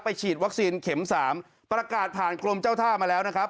ฉีดวัคซีนเข็มสามประกาศผ่านกรมเจ้าท่ามาแล้วนะครับ